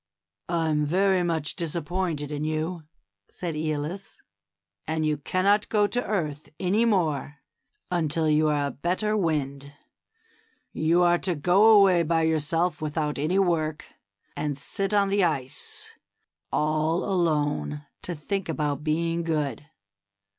^^I'm very much disappointed in you," said ^olus; and you cannot go to earth any more until you are A WINDY STORY. 95 a better wind ; you are to go away by yourself with out any work^ and sit on the ice all alone to think about being good.